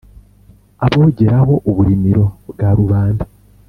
Abogeraho uburimiro bwa rubanda